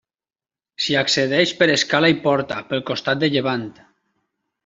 S'hi accedeix per escala i porta pel costat de llevant.